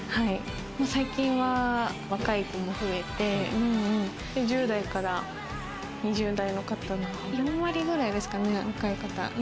最近は若い子も増えて、１０代から２０代の方が４割くらいですかね、若い方。